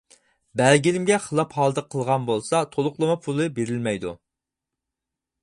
بەلگىلىمىگە خىلاپ ھالدا قىلغان بولسا، تولۇقلىما پۇلى بېرىلمەيدۇ.